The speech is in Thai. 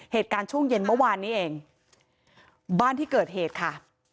เหตุการณ์ช่วงเย็นเมื่อวานนี้เองบ้านที่เกิดเหตุค่ะ